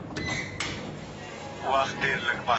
موږ په اختر کې د سولې او ورورولۍ دعا کوو.